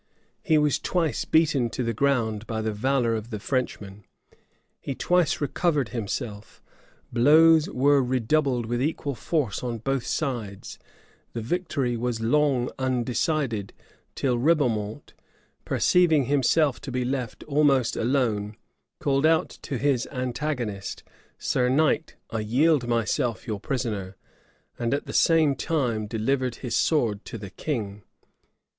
He was twice beaten to the ground by the valor of the Frenchman: he twice recovered himself: blows were redoubled with equal force on both sides: the victory was long undecided; till Ribaumont, perceiving himself to be left almost alone, called out to his antagonist, "Sir Knight, I yield myself your prisoner;" and at the same time delivered his sword to the king.